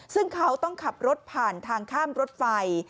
ซึ่งเขาต้องขับรถผ่านทางข้ามรถไฟ